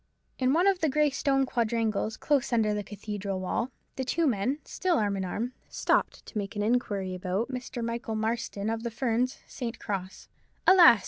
In one of the grey stone quadrangles close under the cathedral wall, the two men, still arm in arm, stopped to make an inquiry about Mr. Michael Marston, of the Ferns, St. Cross. Alas!